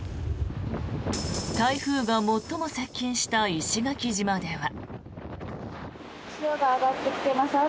台風が最も接近した石垣島では。